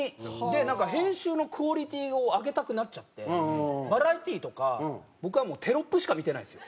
なんか編集のクオリティーを上げたくなっちゃってバラエティーとか僕はもうテロップしか見てないんですよ。